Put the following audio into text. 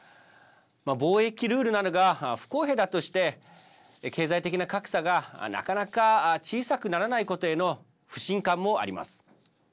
貿易ルールなどが不公平だとして経済的な格差が、なかなか小さくならないことへの不信感もあります。